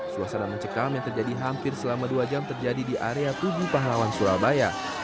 suasana mencekam yang terjadi hampir selama dua jam terjadi di area tujuh pahlawan surabaya